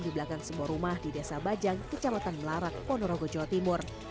di belakang sebuah rumah di desa bajang kecamatan melarak ponorogo jawa timur